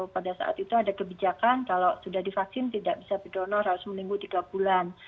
pada saat itu ada kebijakan kalau sudah divaksin tidak bisa berdonor harus menunggu tiga bulan